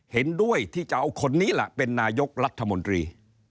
เห็นด้วยที่จะเอาคนนี้ล่ะเป็นนายกรัฐมนตรี